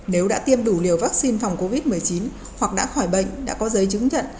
nếu đã tiêm đủ liều vaccine phòng covid một mươi chín hoặc đã khỏi bệnh đã có giấy chứng nhận